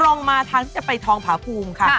ลงมาทางที่จะไปทองผาภูมิค่ะ